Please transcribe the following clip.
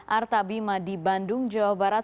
arta bima di bandung jawa barat